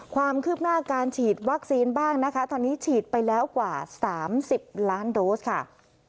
ความคืบหน้าการฉีดวัคซีนบ้างนะคะตอนนี้ฉีดไปแล้วกว่า๓๐ล้านโดสค่ะ